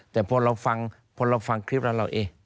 แต่พอเราฟังคลิปร้านเรา